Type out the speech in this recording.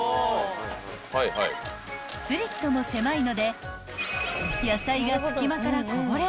［スリットも狭いので］